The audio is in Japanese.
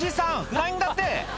フライングだって！